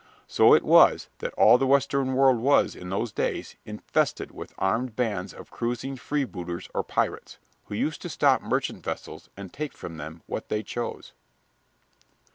So it was that all the western world was, in those days, infested with armed bands of cruising freebooters or pirates, who used to stop merchant vessels and take from them what they chose.